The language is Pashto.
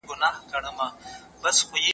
چیري ډېر ړانده سړي په ګڼ ځای کي ږیري لري؟